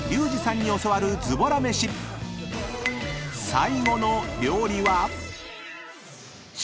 ［最後の料理は］